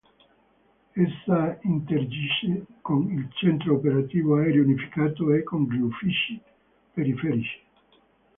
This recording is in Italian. Essa interagisce con il Centro Operativo Aereo Unificato e con gli uffici periferici.